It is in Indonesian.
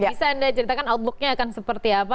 bisa anda ceritakan outlooknya akan seperti apa